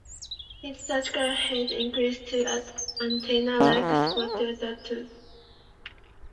Its structural height includes two antenna-like spires on the top.